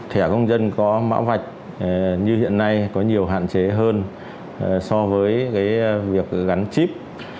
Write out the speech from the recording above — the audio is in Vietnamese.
thẻ công dân có mã vạch như hiện nay có nhiều hạn chế hơn so với việc gắn chip